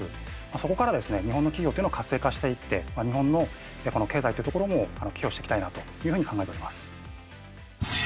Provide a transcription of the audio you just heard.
そこからですね日本の企業というのを活性化していって日本の経済というところも寄与していきたいなというふうに考えております。